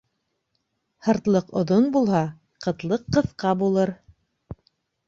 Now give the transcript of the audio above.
Һыртлыҡ оҙон булһа, ҡытлыҡ ҡыҫҡа булыр